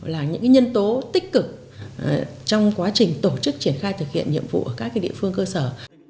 là những nhân tố tích cực trong quá trình tổ chức triển khai thực hiện nhiệm vụ ở các địa phương cơ sở